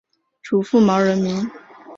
祖父毛仁民。